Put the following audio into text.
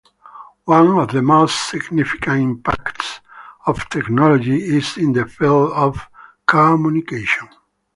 One of the most significant impacts of technology is in the field of communication.